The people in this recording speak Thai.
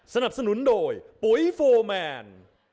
สนับสนุนโดยปุ๋ยโฟร์แมน